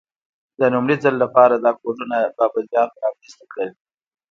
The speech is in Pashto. د لومړي ځل لپاره دا کوډونه بابلیانو رامنځته کړل.